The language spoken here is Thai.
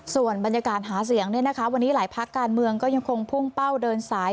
ส่วนบรรยากาศหาเสียงวันนี้หลายพักการเมืองก็ยังคงพุ่งเป้าเดินสาย